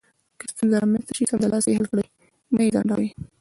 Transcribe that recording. که ستونزه رامنځته شي، سمدلاسه یې حل کړئ، مه یې ځنډوئ.